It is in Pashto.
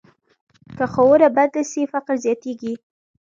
که ښوونه بنده سي، فقر زیاتېږي.